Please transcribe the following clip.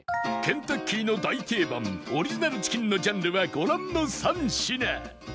ケンタッキーの大定番オリジナルチキンのジャンルはご覧の３品